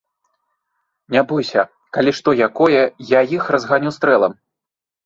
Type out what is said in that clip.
Не бойся, калі што якое, я іх разганю стрэлам.